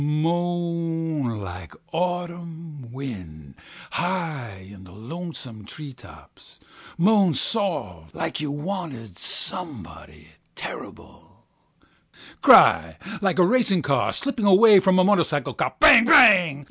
Moan like an autumn wind high in the lonesome tree tops, moan soft like you wanted somebody terrible, cry like a racing car slipping away from a motorcycle cop, bang bang!